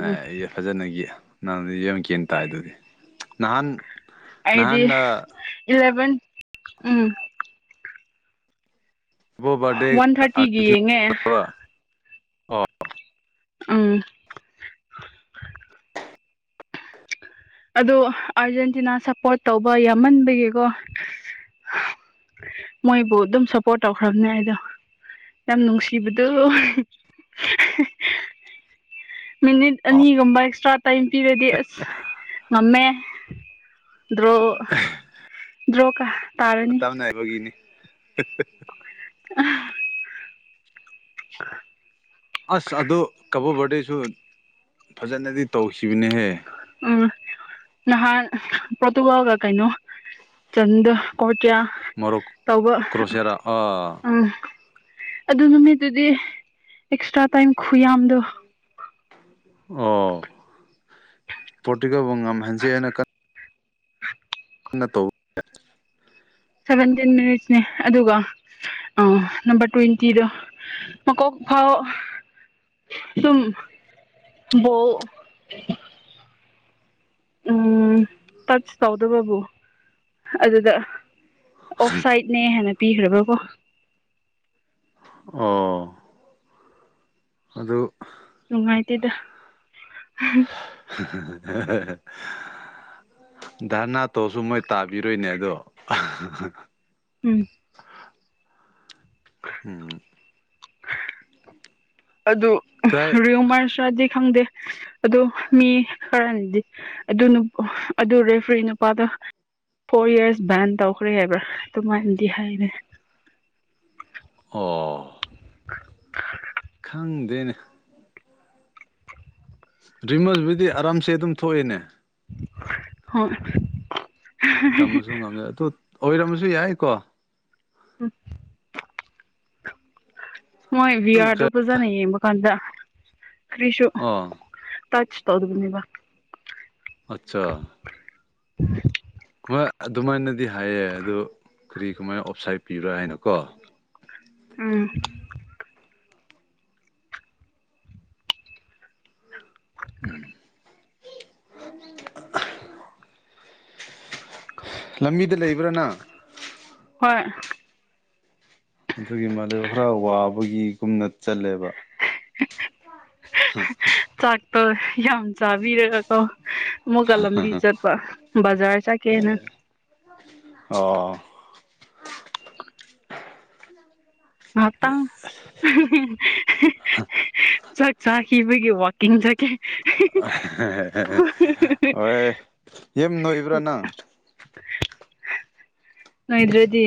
ꯎꯝ ꯐꯖꯅꯒꯤ ꯅꯪꯗꯤ ꯌꯥꯝ ꯒ꯭ꯌꯥꯟ ꯇꯥꯏꯗꯨꯗꯤ ꯅꯍꯥꯟ ꯑꯩꯗꯤ ꯅꯍꯥꯟꯅ ꯏꯂꯚꯦꯟ ꯎꯝ ꯀꯕꯣ ꯕꯥꯔꯗꯦ ꯋꯥꯟ ꯊꯥꯔꯇꯤꯒꯤ ꯌꯦꯡꯉꯦ ꯑꯣ ꯑꯪ ꯑꯗꯣ ꯑꯥꯔꯖꯦꯟꯇꯤꯅꯥ ꯁꯞꯄꯣꯔꯠ ꯇꯧꯕ ꯌꯥꯝꯃꯟꯕꯒꯤꯀꯣ ꯃꯣꯏꯕꯨ ꯑꯗꯨꯝ ꯁꯞꯄꯣꯔꯠ ꯇꯧꯈ꯭ꯔꯕꯅꯦ ꯑꯩꯗꯣ ꯌꯥꯝ ꯅꯨꯡꯁꯤꯕꯗꯨ ꯃꯤꯅꯤꯠ ꯅꯅꯤꯒꯨꯝ ꯑꯦꯛꯁꯇ꯭ꯔꯥ ꯇꯥꯏꯝ ꯄꯤꯔꯗꯤ ꯑꯁ ꯉꯝꯃꯦ ꯗ꯭ꯔꯣ ꯗ꯭ꯔꯣꯀ ꯃꯇꯥ ꯅꯥꯏꯕꯒꯤꯅꯤ [inaudible] ꯑ [inaudible] ꯑꯁ ꯑꯗꯨ ꯀꯕꯣ ꯕꯔꯗꯁꯨ ꯐꯖꯅꯗꯤ ꯇꯧꯈꯤꯕꯅꯦꯍꯦ ꯎꯝ ꯅꯍꯥꯟ ꯄ꯭ꯔꯣꯇꯨꯒꯜꯒ ꯀꯩꯅꯣ ꯆꯟ ꯀꯣꯇ꯭ꯌꯥ ꯃꯣꯔꯣꯛ ꯇꯧꯕ ꯀ꯭ꯔꯣꯁꯤꯌꯥꯔꯥ ꯑꯥ ꯎꯝ ꯑꯗꯨ ꯅꯨꯃꯤꯠꯇꯨꯗꯤ ꯑꯦꯛꯁꯇ꯭ꯔꯥ ꯇꯥꯏꯝ ꯈꯨꯌꯥꯝꯗꯣ ꯑꯣ ꯄꯔꫭꯇꯨꯒꯥꯜꯕꯨ ꯉꯝꯍꯟꯖꯦ ꯍꯥꯏꯅ ꯀꯪꯅ ꯅ ꯇꯧꯕ ꯁꯕꯦꯟꯇꯤꯟ ꯃꯤꯅꯤꯠꯁꯅꯦ ꯑꯗꯨꯒ ꯅꯝꯕꯔ ꯇ꯭ꯋꯦꯟꯇꯤꯗꯣ ꯃꯀꯣꯛ ꯐꯥꯎ ꯑꯗꯨꯝ ꯕꫭꯜ ꯎꯝ ꯇꯆ ꯇꯧꯗꯕꯕꯨ ꯑꯗꯨꯗ ꯑꯣꯐ ꯁꯥꯏꯠꯅꯦ ꯍꯥꯏꯅ ꯄꯤꯈ꯭ꯔꯕ꯭ꯔꯀꯣ ꯑꯣ ꯑꯗꯨ ꯅꯨꯡꯉꯥꯏꯇꯦꯗ [unintelligible] [inaudible] ꯙꯔꯅꯥ ꯇꯧꯁꯨ ꯃꯣꯏ ꯇꯥꯕꯤꯔꯣꯏꯅꯦ ꯑꯗꯣ ꯎꯝ [unintelligible] ꯑꯗꯨ ꯀꯥꯏ ꯔꯤꯌꯃꯔꯁꯔꯗꯤ ꯈꯪꯗꯦ ꯑꯗꯨ ꯃꯤ ꯈꯔꯅꯥꯗꯤ ꯑꯗꯨ ꯑꯗꯨ ꯔꯦꯐ꯭ꯔꯤ ꯅꯨꯄꯥꯗꫭ ꯐꯣꯔ ꯏꯔꯁ ꯕꯥꯟ ꯇꯧꯈ꯭ꯔꯦ ꯍꯥꯏꯕ꯭ꯔꯥ ꯑꯗꯨꯃꯥꯏꯅꯗꯤ ꯍꯥꯏꯔꯦ ꯑꯣ [inaudible] ꯈꯪꯗꯦꯅꯦ ꯔꯤꯝꯃꯁꯕꯨꯗꯤ ꯑꯔꯥꯝꯁꯦ ꯑꯗꯨꯝ ꯊꯣꯛꯏꯦꯅꯦ ꯍꫭꯏ ꯇꯝꯕꯁꯨ ꯉꯝꯃꯦ ꯑꯗꯨ ꯑꯣꯏꯔꯝꯃꯁꯨ ꯌꯥꯏꯀꯣ [inaudible] ꯃꯣꯏ ꯕꯤ ꯑꯥꯔꯗꯣ ꯄꯖꯥꯅ ꯑꯣ ꯌꯦꯡꯕ ꯀꯥꯟꯗ ꯀꯔꯤꯁꯨ ꯇꯆ ꯇꯧꯗꯒꯅꯤꯕ ꯑꯆꯥ [inaudible] ꯍꯣꯏ ꯑꯗꯨꯃꯥꯏꯅꯗꯤ ꯍꯥꯏꯌꯦ ꯑꯗꯨꯗꯣ ꯀꯔꯤ ꯀꯃꯥꯏꯅ ꯑꯣꯞꯁꯥꯏꯠ ꯄꯤꯕ꯭ꯔꯥ ꯍꯥꯏꯅꯀꯣ ꯎꯝ ꯎꯝ ꯂꯝꯕꯤꯗ ꯂꯩꯕ꯭ꯔꯥ ꯅꯪ ꯍꯣꯏ ꯑꯗꯨꯒꯤ ꯃꯥꯂꯦꯝ ꯈꯔ ꯋꯥꯕꯒꯤꯒꯨꯝꯅ ꯆꯜꯂꯦꯕ [inaudible] ꯆꯥꯛꯇꯣ ꯌꯥꯝ ꯆꯥꯕꯤꯔꯒꯀꯣ ꯑꯃꯨꯛꯀ ꯂꯝꯕꯤ ꯆꯠꯄ ꯕꯖꯥꯔ ꯆꯠꯀꯦꯅ ꯑꯣ ꯃꯥꯠꯇꯥꯡ ꯆꯥꯛ ꯆꯥꯈꯤꯕꯒꯤ ꯋꯥꯛꯀꯤꯡ ꯆꯠꯀꯦ ꯍꯣꯏ ꯌꯥꯝ ꯅꯣꯏꯕ꯭ꯔꯥ ꯅꯪ ꯅꫭꯥꯏꯗ꯭ꯔꯗꯤ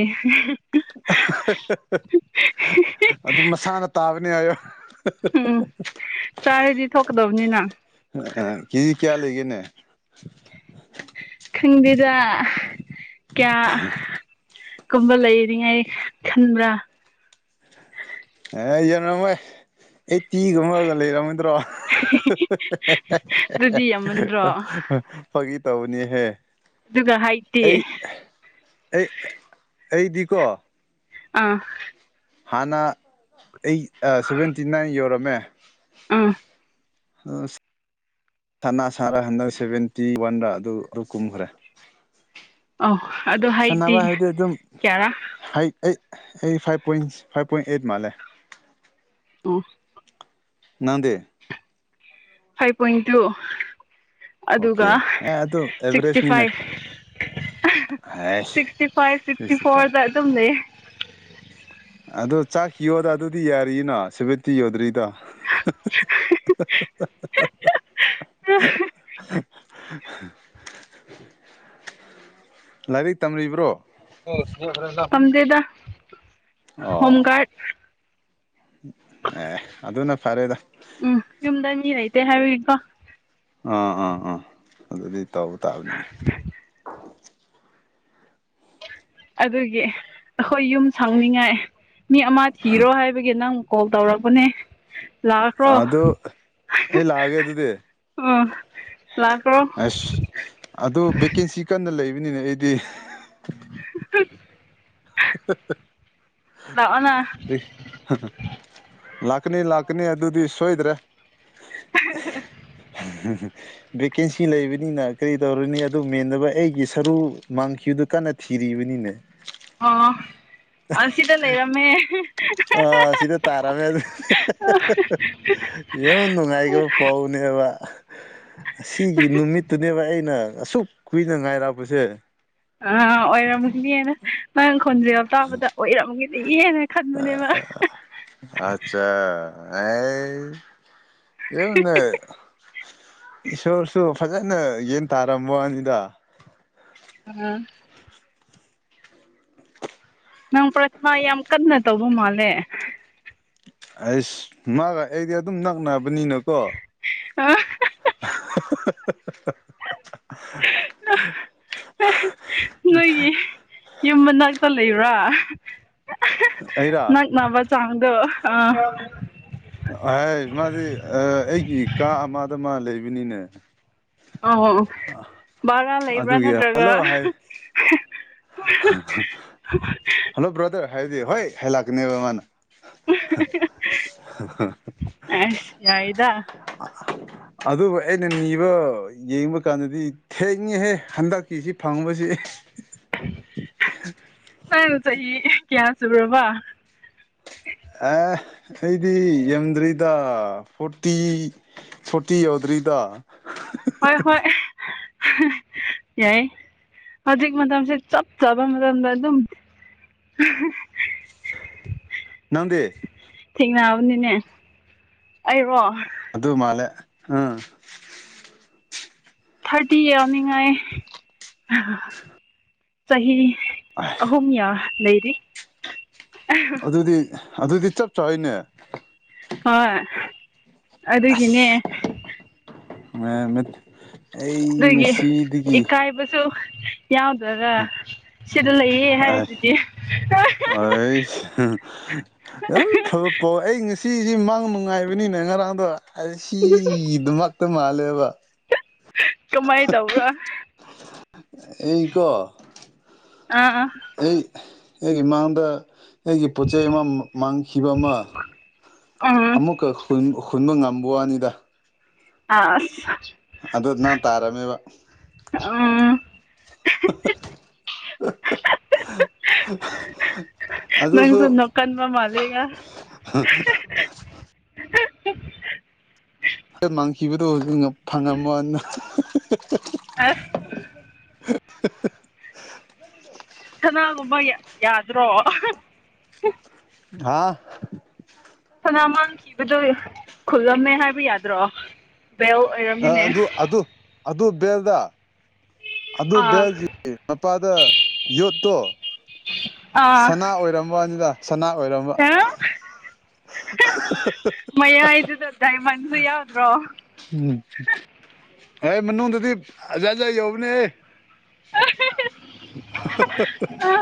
ꯑꯗꯨꯝ ꯃꯁꯥꯅ ꯇꯥꯕꯅꯦ ꯍꯥꯏꯌꯣ ꯎꯝ ꯆꯥꯔꯗꯤ ꯊꯣꯛꯀꯗꯕꯅꯤꯅ ꯑ ꯀꯦꯖꯤ ꯀꯌꯥ ꯂꯩꯒꯦꯅꯦ ꯈꯪꯗꯦꯗ ꯀꯌꯥ ꯀꯨꯝꯕ ꯂꯩꯔꯤ ꯍꯥꯏ ꯈꯟꯕ꯭ꯔꯥ ꯑꯦ ꯌꯉꯝꯃꯣꯏ ꯑꯩꯠꯇꯤꯒꯨꯝꯕꯒ ꯂꯩꯔꯝꯒꯗ꯭ꯔꯣ ꯑꯗꯨꯗꯤ ꯌꯥꯝꯃꯟꯗ꯭ꯔꯣ ꯐꯥꯒꯤ ꯇꯧꯕꯅꯤꯍꯦ ꯑꯗꯨꯒ ꯍꯥꯏꯇꯦ ꯑꯩ ꯑꯩ ꯑꯩꯗꯤꯀꯣ ꯑꯥ ꯍꯥꯟꯅ ꯑꯩ ꯁꯚꯦꯟꯇꯤ ꯅꯥꯏꯟ ꯌꯧꯔꯝꯃꯦ ꯎꯝ ꯑꯁ ꯁꯅꯥ ꯁꯥꯔ ꯍꯟꯗꯛ ꯁꯚꯦꯟꯇꯤ ꯋꯥꯟꯗ ꯑꯗꯨ ꯑꯗꯨ ꯀꯨꯝꯈ꯭ꯔꯦ ꯑꯧ ꯑꯗꯣ ꯁꯥꯟꯅꯕ ꯍꯥꯏꯠꯇꯤ ꯍꯥꯏꯕꯗꯤ ꯑꯗꯨꯝ ꯀꯌꯥꯔꯥ ꯍ ꯑꯩ ꯑꯩ five point five point eight ꯃꯥꯜꯂꯦ ꯎꯝ ꯅꯪꯗꯤ ꯐꯥꯏꯚ ꯄꯣꯏꯟ ꯇꯨ ꯑꯣꯀꯦ ꯑꯗꯨꯒ ꯑꯦ ꯑꯗꯨ ꯁꯤꯛꯁꯇꯤ ꯑꯦꯚꯔꯦꯖꯅꯤꯅꯦ ꯐꯥꯏꯚ ꯍꯥꯏꯁ ꯁꯤꯛꯁꯇꯤ ꯐꯥꯏꯚ ꯁꯤꯛꯁꯇꯤ ꯐꯣꯔꯗ ꯑꯗꯨꯝ‌ ꯂꯩꯌꯦ ꯑꯣ ꯆꯥꯛ ꯌꯣꯗ ꯑꯗꯨꯗꯤ ꯌꯥꯔꯤꯅ ꯁꯨꯚꯦꯠꯇꯤ ꯌꯣꯗ꯭ꯔꯤꯗꯣ [unintelligible] ꯂꯥꯏꯔꯤꯛ ꯇꯝꯂꯤꯕ꯭ꯔꯣ ꯇꯝꯗꯦꯗ ꯑꯣ ꯑꯦ ꯑꯗꯨꯅ ꯐꯔꯦꯗ ꯎꯝ ꯌꯨꯝꯗ ꯃꯤ ꯂꯩꯇꯦ ꯍꯥꯏꯕꯒꯤꯀꯣ ꯑꯥ ꯑꯥ ꯑꯥ ꯑꯗꯨꯗꯤ ꯇꯧ ꯇꯥꯕꯅꯤꯅꯦ ꯑꯗꯨꯒꯤ ꯑꯩꯈꯣꯏ ꯌꯨꯝ ꯁꯪꯅꯤꯡꯉꯥꯏ ꯃꯤ ꯑꯃ ꯊꯤꯔꯣ ꯍꯥꯏꯕꯒꯤ ꯅꯪ ꯀꯣꯜ ꯇꯧꯔꯛꯄꯅꯦ ꯂꯥꯛꯈ꯭ꯔꯣ ꯑꯗꯨ ꯑꯩ ꯂꯥꯛꯑꯒꯦ ꯑꯗꯨꯗꯤ ꯎꯝ ꯑꯁ ꯂꯥꯛꯈꫪꫭ ꯑꯗꯨ ꯚꯦꯀꯦꯟꯁꯤ ꯀꯟꯅ ꯂꯩꯕꯅꯤꯅꯦ ꯑꯩꯗꯤ [unintelligible] ꯂꯥꯛꯑꯣꯅ [unintelligible] ꯂꯥꯛꯀꯅꯤ ꯂꯥꯛꯀꯅꯤ ꯑꯗꯨꯗꯤ ꯁꯣꯏꯗ꯭ꯔꯦ [unintelligible] [unintelligible] ꯚꯦꯀꯦꯟꯁꯤ ꯂꯩꯕꯅꯤꯅ ꯀꯔꯤ ꯇꯧꯔꯅꯤ ꯑꯗꯨ ꯃꯦꯟꯟꯅꯕ ꯑꯩꯒꯤ ꯁꯔꯨ ꯃꯥꯡꯈꯤꯕꯗꯨ ꯀꯟꯅ ꯊꯤꯔꯤꯕꯅꯤꯅꯦ ꯑꫭ ꯑꯁꯤꯗ ꯂꯩꯔꯝꯃꯦ ꯑ ꯁꯤꯗ ꯇꯥꯔꯝꯃꯦ ꯌꯦꯝ ꯅꯨꯡꯉꯥꯏꯒ꯭ꫪ ꯄꯥꯎꯅꯦꯕ ꯑꯁꯤꯒꯤ ꯅꯨꯃꯤꯠꯇꯨꯅꯦꯕ ꯑꯩꯅ ꯑꯁꯨꯛ ꯀꯨꯏꯅ ꯉꯥꯏꯔꯛꯄꯖꯦ ꯑ ꯑꯣꯏꯔꯝꯃꯒꯅꯤꯅ ꯅꯪ ꯈꯣꯟꯖꯜ ꯇꯥꯕꯗ ꯑꯣꯏꯔꯝꯒꯅꯤꯅ ꯈꯟꯕꯅꯦꯕ ꯑꯆꯥ ꯑꯦ [unintelligible] ꯏꯁꯣꯔꯁꯨ ꯐꯖꯅ ꯒꯦꯟ ꯇꯥꯔꯝꯕꯋꯥꯅꯤꯗ ꯎꯝ ꯅꯪ ꯄ꯭ꯔꯊꯅꯥ ꯌꯥꯝ ꯀꯟꯅ ꯇꯧꯕ ꯃꯥꯜꯂꯦ ꯑꯩꯁ ꯃꯥꯒ ꯑꯩꯒ ꯑꯗꯨꯝ ꯅꯛꯅꯕꯅꯤꯅꯀꯣ [unintelligible] [unintelligible] [unintelligible] ꯅꯣꯏꯒꯤ ꯌꯨꯝ ꯃꯅꯥꯛꯇ ꯂꯩꯕ꯭ꯔꯥ ꯑꯩꯔꯥ ꯅꯪ ꯃꯕ ꯆꯥꯡꯗ ꯑ ꯍꯥꯏ ꯃꯥꯗꯤ ꯑꯩꯒꯤ ꯀꯥ ꯑꯃꯗ ꯑꯃ ꯂꯩꯕꯅꯤꯅꯦ ꯑ ꯕꯔꯥ ꯂꯩꯕ꯭ꯔꯥ ꯑꯗꯨꯒꯤ ꯅꯠꯇ꯭ꯔꯒ ꯍ ꯍ ꯍꯜꯂꯣ ꯕ꯭ꯔꯗꯔ ꯍꯥꯏꯗꯤ ꯍꯣꯏ ꯍꯥꯏ ꯂꯥꯛꯀꯅꯦꯕ ꯃꯥꯅ ꯑꯁ ꯌꯥꯏꯗ [unintelligible] ꯑꯗꯨꯕꯨ ꯑꯩꯅ ꯅꯤꯕ ꯌꯦꯡꯕ ꯀꯥꯟꯗꯗꯤ ꯊꯦꯡꯉꯍꯦ ꯍꯟꯗꯛꯀꯤ ꯁꯤ ꯐꯪꯕꯁꯤ ꯅꯪ ꯆꯍꯤ ꯀꯌꯥ ꯁꯨꯕ꯭ꯔꯔꯕ ꯑꯦ ꯑꯩꯗꯤ ꯌꯥꯝꯗ꯭ꯔꯤꯗ ꯐꯣꯔꯇꯤ ꯁꯨꯔꯇꯤ ꯌꯧꯗ꯭ꯔꯤꯗ ꯍꯣꯏ ꯍꯣꯏ ꯌꯥꯏ ꯍꯧꯖꯤꯛ ꯃꯇꯝꯁꯦ ꯆꯞ ꯆꯥꯕ ꯃꯇꯝꯗ ꯑꯗꯨꯝ ꯅꯪꯗꯤ ꯊꯦꯡꯅꯕꯅꯤꯅꯦ ꯑꯩꯔꯣ ꯑꯗꯨ ꯑꯗꯨ ꯃꯥꯂꯦ ꯎꯝ ꯊꯥꯔꯇꯤ ꯌꯥꯎꯅꯤꯡꯉꯥꯏ ꯆꯍꯤ ꯑꯍꯣꯝꯌꯥ ꯂꯩꯩꯔꯤ ꯑꯗꯨꯗꯤ ꯑꯗꯨꯗꯤ ꯆꯞ ꯆꯥꯩꯅꯦ ꯍꯣꯏ ꯑꯗꯨꯒꯤꯅꯦ ꯑꯁ [unintelligible] ꯑꯩ ꯅꫭꯏꯒꯤ ꯉꯁꯤꯗꯒꯤ ꯏꯀꯥꯏꯕꯁꯨ ꯌꯥꯎꯗ꯭ꯔꯒ ꯁꯤꯗ ꯂꯩꯌꯦ ꯑꯥꯏ ꯍꯥꯏꯕꯗꯨꯗꯤ ꯑꯩꯁ ꯌꯥꯝ [unintelligible] ꯑꯩ ꯉꯁꯤꯁꯤ ꯃꯥꯡ ꯅꯨꯡꯉꯥꯏꯕꯅꯤꯅꯦ ꯉꯔꯥꯡꯗꯣ ꯑꯁꯤꯒꯤꯗꯃꯛꯇ ꯃꯥꯜꯂꯦꯕ ꯀꯃꯥꯏ ꯇꯕ꯭ꯔ ꯑꯩꯀꯣ ꯑꯥ ꯑꯥ ꯑꯩ ꯑꯩꯒꯤꯃꯥꯡꯗ ꯑꯩꯒꯤ ꯄꯣꯠ ꯆꯩ ꯑꯃ ꯃꯥꯡꯈꯤꯕ ꯑꯃ ꯎꯝ ꯑꯃꯨꯛꯀ ꯍꯨꯟꯕ ꯉꯝꯕ ꯋꯥꯅꯤꯗ ꯑꯁ ꯑꯗꯨ ꯅꯪ ꯇꯥꯔꯝꯃꯦꯕ ꯎꯝ [unintelligible] ꯑꯗꯨꯁꯨ ꯅꯪꯁꯨꯨꯝꯅꯣ ꯀꯟꯕ ꯃꯥꯂꯦꯒ ꯍ ꯍ ꯃꯥꯡꯁꯤꯈꯤꯕꯗꯣ ꯐꯪꯉꯝꯃꫭ ꯑꯁ [unintelligible] ꯁꯅꯥꯒꯨꯝꯕ ꯌꯥꯗ꯭ꯔꯣ ꯍꯥꯥ ꯁꯅꯥꯃꯥꯡ ꯊꯤꯕꯗꯣ ꯈꯨꯜꯂꯝꯃꯦ ꯍꯥꯏꯕ ꯌꯥꯗ꯭ꯔꯣ ꯕꯦꯜ ꯑꯣꯏꯔꯝꯃꯤꯅꯦ ꯑꯗꯨ ꯑꯗꯨ ꯑꯗꯨ ꯕꯦꯜꯗ ꯑꯗꯨ ꯑꯥ ꯕꯦꯜꯒꯤ ꯃꯄꯥꯗ ꯌꯣꯠꯇꯣ ꯎ ꯁꯅꯥ ꯑꯣꯏꯔꯝꯕꯅꯤꯗ ꯁꯅꯥ ꯑꯣꯏꯔꯝꯕ ꯃꯌꯥ ꯏꯗꯨꯗ ꯗꯥꯏꯃꯟꯁꯨ ꯌꯥꯎꯗ꯭ꯔꯣ ꯎꯝ ꯑꯦ ꯃꯅꯨꯡꯗꯗꯤ ꯑꯖꯖꯥ ꯌꯧꯕꯅꯦ ꯑꯦ [unintelligible]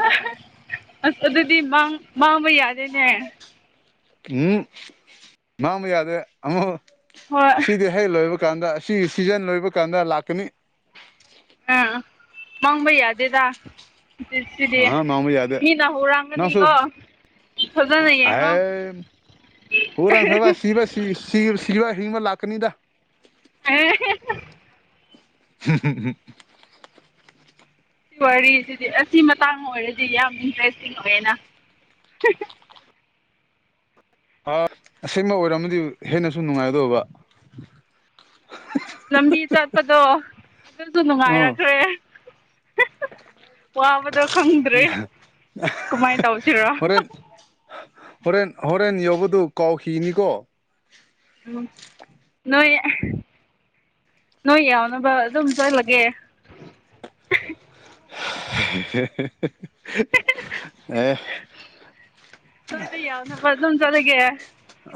ꯑꯁ ꯑꯗꯨꯗꯤ ꯃꯥꯡ ꯃꯥꯡꯕ ꯌꯥꯗꯦꯅꯦ ꯎꯝ ꯃꯥꯥꯡꯕ ꯌꯥꯗꯦ ꯑꯃ ꯍꯣꯏ ꯑꯁꯤꯗꯤ ꯍꯦꯛ ꯂꯣꯏꯕ ꯀꯥꯟꯗ ꯑꯁꯤ ꯁꯤꯖꯟ ꯂꯣꯏꯕ ꯀꯥꯟꯗ ꯂꯥꯛꯀꯅꯤ ꯑ ꯃꯥꯡꯕ ꯌꯥꯗꯦꯗ ꯁꯤꯗꯤ ꯑꯥ ꯃꯥꯡꯕ ꯌꯥꯗꯦ ꯃꯤꯅ ꯅꯪꯁꯨ ꯍꯨꯔꯥꯡꯒꯅꯤꯀꯣ ꯐꯖꯅ ꯌꯦꯡꯉꯣ ꯑꯦ ꯁꯤ ꯁꯤ ꯁꯤꯋꯥ ꯍꯤꯡꯕ ꯂꯥꯛꯀꯅꯤꯗ [unintelligible] [unintelligible] ꯁꯤ ꯋꯥꯔꯤꯁꯤꯗꯤ ꯑꯁꯤ ꯃꯇꯥꯡ ꯑꯣꯏꯔꯗꯤ ꯌꯥꯝ ꯏꯟꯇꯔꯦꯁꯇꯤꯡ ꯑꯣꯏꯌꯦꯅ ꯑ ꯑꯁꯦꯡꯕ ꯑꯣꯏꯔꯝꯃꯗꯤ ꯍꯦꯟꯅꯁꯨ ꯅꯨꯡꯉꯥꯏꯗꯣꯏꯕ ꯂꯝꯕꯤ ꯆꯠꯄꯗꯣ ꯑꯗꯨꯁꯨ ꯑꯥ ꯅꯨꯡꯉꯥꯏꯔꯛꯈ꯭ꯔꯦ ꯋꯥꯕꯗꯣ ꯈꯪꯗ꯭ꯔꯦ ꯀꯃꯥꯏꯟ ꯇꯧꯁꯤꯔ ꯍꯣꯔꯦꯟ ꯍꯣꯔꯦꯟ ꯍꯣꯔꯦꯟ ꯌꯧꯕꯗꯨ ꯀꯥꯎꯈꯤꯅꯤꯀꯣ ꯎꯝ ꯅꯣꯏ ꯅꯣꯏ ꯌꯥꯎꯅꯕ ꯑꯗꯨꯝ ꯆꯠꯂꯒꯦ [unintelligible] ꯑꯦ ꯅꯣꯏꯗ ꯌꯥꯎꯅꯕ ꯑꯗꯨꯝ ꯆꯠꯂꯒꯦ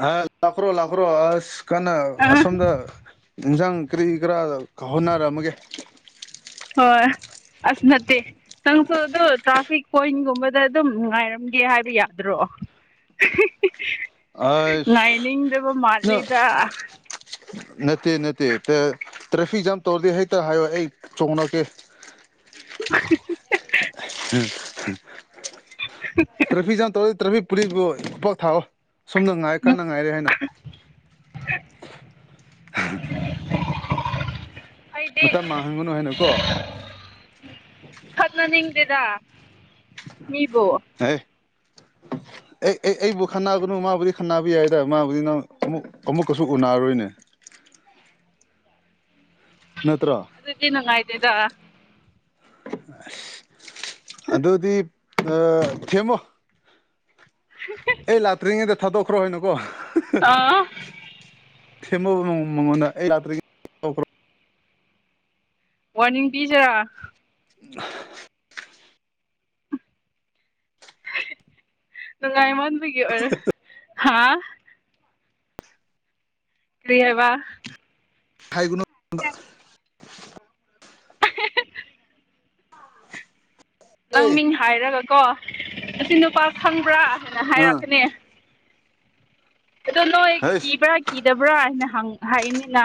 ꯑꯥ ꯂꯥꯛꯈ꯭ꯔꯣ ꯂꯥꯛꯈ꯭ꯔꯣ ꯑꯁ ꯀꯟꯅ ꯑꯥ ꯑꯁꯣꯝꯗ ꯏꯟꯖꯥꯡ ꯀꯔꯤ ꯀꯔꯥ ꯍꯣꯠꯅꯔꯝꯃꯒꯦ ꯍꯣꯏ ꯑꯁ ꯅꯠꯇꯦ ꯇꯪ ꯁꯨ ꯑꯗꯨ ꯇ꯭ꯔꯥꯐꯤꯛ ꯄꯣꯏꯟꯒꯨꯝꯕꯗ ꯑꯗꯨꯝ ꯉꯥꯏꯔꯝꯒꯦ ꯍꯥꯏꯕ ꯌꯥꯗ꯭ꯔꯣ ꯑꯁ ꯉꯥꯏꯅꯤꯡꯗꯕ ꯅꯪ ꯃꯥꯜꯂꯤꯗ ꯅꯠꯇꯦ ꯅꯠꯇꯦ [unintelligible] ꯇ꯭ꯔꯥꯐꯤꯛ ꯖꯥꯝ ꯇꯧꯔꯗꯤ ꯍꯦꯛꯇ ꯍꯥꯏꯌꯣ ꯑꯩ ꯆꯣꯡꯂꯛꯀꯦ ꯇ꯭ꯔꯥꯐꯤꯛ ꯖꯥꯝ ꯇꯧꯋꯦ ꯇ꯭ꯔꯥꯐꯤꯛ ꯄꯨꯂꯤꯁꯕꯨ ꯈꯨꯄꯥꯛ ꯊꯥꯋꯣ ꯁꯣꯝꯅ ꯉꯥꯏ ꯀꯟꯅ ꯉꯥꯏꯔꯦ ꯍꯥꯏꯅ ꯑꯩꯗꯤ ꯃꯇꯝ ꯃꯥꯡꯍꯟꯒꯅꯨ ꯍꯥꯏꯅ ꯀꯣ ꯈꯥꯅꯅꯤꯡꯗꯦꯗ ꯃꯤꯕꯨ ꯍꯩ ꯑꯦ ꯑꯩ ꯑꯩꯕꯨ ꯈꯟꯅꯒꯅꯨ ꯃꯥꯕꯨꯗꯤ ꯈꯟꯅꯟꯅꯕ ꯌꯥꯏꯗ ꯃꯥꯕꯨꯗꯤ ꯅꯪ ꯑꯃꯨꯛ ꯑꯃꯨꯛꯀꯁꯨ ꯎꯅꯔꯣꯏꯅꯦ ꯅꯠꯇ꯭ꯔꯣ ꯑꯗꯨꯗꯤ ꯅꯪꯨꯡꯉꯥꯏꯇꯦꯗ ꯑꯁ ꯑꯗꯨꯗꯤ ꯑ ꯊꯦꯝꯃꯣ [unintelligible] ꯑꯩ ꯂꯥꯛꯇ꯭ꯔꯤꯉꯩꯗ ꯊꯥꯗꯣꯛꯈ꯭ꯔꯣ ꯍꯥꯏꯅꯨꯀꯣ ꯑꯥ ꯊꯦꯝꯃꯣꯕ ꯃꯉꯣꯟꯗ ꯑꯩ [unintelligible] ꯋꯥꯔꯅꯤꯡ ꯄꯤꯁꯤꯔꯥ [unintelligible] ꯅꯨꯡꯉꯥꯏ ꯃꯟꯕꯒꯤ ꯑꯣꯏꯔꯦ ꯍꯥ ꯀꯔꯤ ꯍꯥꯏꯕ ꯊꯥꯏꯒꯨꯅꯨꯠ [inaudible] ꯅꯪ ꯑꯦ ꯃꯤꯡ ꯍꯥꯏꯔꯒꯀꯣ ꯑꯁꯤ ꯅꯨꯄꯥ ꯈꯪꯕ꯭ꯔꯥ ꯍꯥꯏꯅ ꯑ ꯍꯥꯏꯔꯛꯀꯅꯦ ꯑꯗꫭ ꯅꫭꯏ ꯍꯩꯁ ꯀꯤꯕ꯭ꯔ ꯀꯤꯗꯕ꯭ꯔꯥ ꯍꯥꯏꯅ ꯍꯪ ꯍꯥꯏꯅꯤꯅ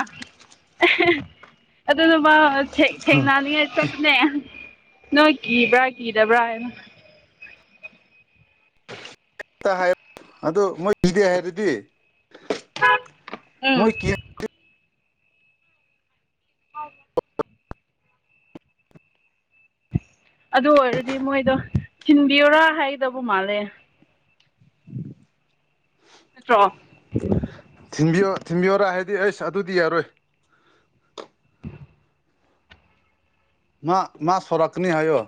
ꯑꯗꯨꯗꯨ ꯃꯥ ꯊꯦꯛ ꯊꯦꯡꯅꯅꯤꯡꯉꯥꯏ ꯍꯦꯛꯇ ꯆꯠꯄꯅꯦ ꯅꯣꯏ ꯀꯤꯕ꯭ꯔꯥ ꯀꯤꯗꯕ꯭ꯔꯥ ꯍꯥꯏꯅ ꯑꯝꯇꯥ ꯍꯥꯏꯌꯨ ꯑꯗꯨ ꯃꯣꯏ ꯀꯤꯗꯦ ꯍꯥꯏꯔꯗꯤ ꯎꯝ ꯃꯣꯏ ꯀꯤ [unintelligible] ꯑꯗꯨ ꯑꯣꯏꯔꯗꯤ ꯃꯣꯏꯗꯣ ꯊꯤꯟꯕꯤꯌꯨꯔꯥ ꯍꯥꯏꯒꯗꯕ ꯃꯥꯜꯂꯦ ꯅꯠꯇ꯭ꯔꯣ ꯊꯤꯟꯕꯤꯌꯣ ꯊꯤꯟꯕꯤꯌꯣꯔꯥ ꯍꯥꯏꯗꯤ ꯑꯁ ꯑꯗꯨꯗꯤ ꯌꯥꯔꯣꯏ [inaudible] ꯃꯥ ꯃꯥ ꯁꯣꯔꯥꯛꯅꯤ ꯍꯥꯏꯌꯣ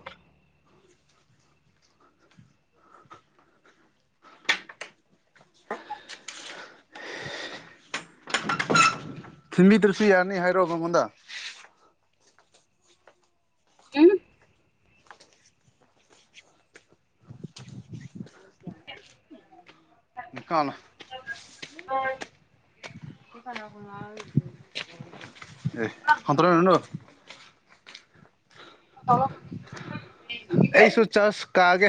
ꯊꯤꯟꯕꯤꯗ꯭ꯔꯁꯨ ꯌꯥꯅꯤ ꯍꯥꯏꯔꯣ ꯃꯉꯣꯟꯗ ꯑꯝ ꯀꯥꯟꯅ ꯑꯦ ꯍꯇ꯭ꯔꯅꯣ [inaudible] ꯑꯩꯁꯨ ꯀꯩꯕ ꯆꯁ ꯀꯥꯒꯦ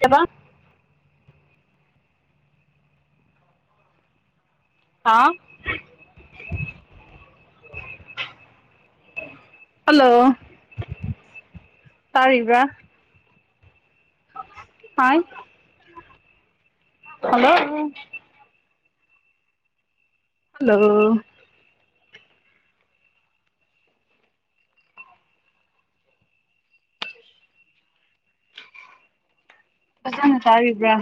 ꯀꯦꯕ ꯍꯥꯥ ꯍꯜꯂꯣ ꯇꯥꯔꯤꯕ꯭ꯔ ꯍꯥꯏ ꯍꯜꯂꯣ ꯍꯜꯂꯣ ꯐꯖꯟꯅ ꯇꯥꯔꯤꯕ꯭ꯔꯥ